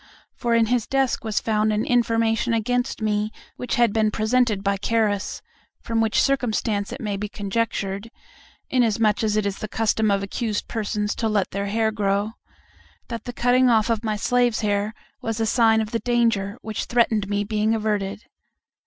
For in his desk was found an information against me which had been presented by Carus; from which circumstance it may be conjectured inasmuch as it is the custom of accused persons to let their hair grow that the cutting off of my slaves' hair was a sign of the danger which threatened me being averted.